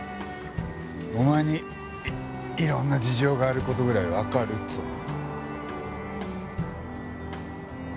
お前にいろんな事情がある事ぐらいわかるっつうの。